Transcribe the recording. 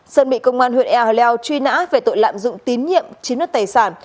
sơn bị công an huyện ea hờ leo truy nã về tội lạm dụng tín nhiệm chín nước tài sản